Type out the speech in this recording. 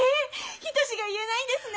「ひ」と「し」が言えないんですね。